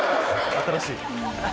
新しい！